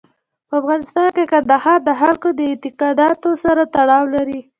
په افغانستان کې کندهار د خلکو د اعتقاداتو سره تړاو لري.